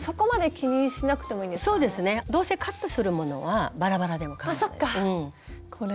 どうせカットするものはバラバラでもかまわないです。